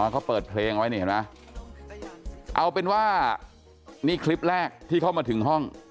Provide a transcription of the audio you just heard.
เขาเปิดเพลงไว้นี่เห็นไหมเอาเป็นว่านี่คลิปแรกที่เข้ามาถึงห้อง